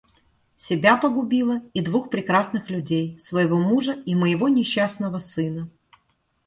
Себя погубила и двух прекрасных людей — своего мужа и моего несчастного сына.